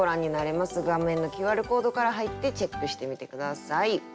画面のＱＲコードから入ってチェックしてみて下さい。